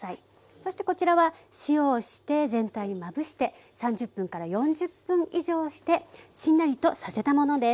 そしてこちらは塩をして全体にまぶして３０分から４０分以上してしんなりとさせたものです。